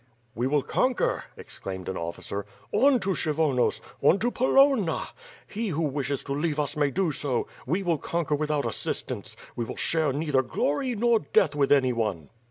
"We will conquer," exclaimed an officer. "On to Kshy vonos. On to Polonna! He who wishes to leave us may do so. We will conquer without assistance; we will share neither glory nor death with anyone."